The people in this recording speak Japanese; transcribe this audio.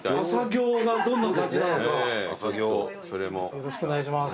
よろしくお願いします。